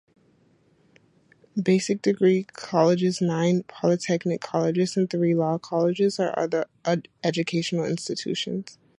Basic degree colleges, nine polytechnic colleges and three law colleges are other educational institutions.